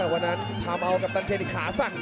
วันนั้นพาเมาท์กัปตันเคนอีกขาสัก